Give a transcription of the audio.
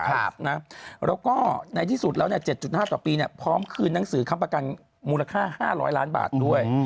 แล้วก็ในที่สุดแล้ว๗๕ต่อปีพร้อมคืนหนังสือคำประกันมูลค่า๕๐๐ล้านบาทด้วย